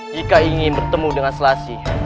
jika ingin bertemu dengan selasih